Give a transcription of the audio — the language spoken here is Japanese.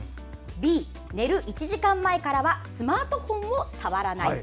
Ｂ、寝る１時間前からはスマートフォンを触らない。